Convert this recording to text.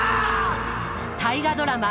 大河ドラマ